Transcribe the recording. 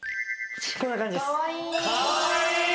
こんな感じです。